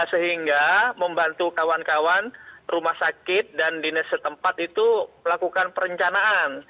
sehingga membantu kawan kawan rumah sakit dan dinas setempat itu melakukan perencanaan